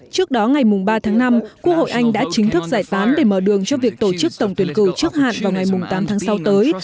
trước đó ngày ba tháng năm quốc hội anh đã chính thức giải tán để mở đường cho việc tổ chức tổng tuyển cử trước hạn vào ngày tám tháng sáu tới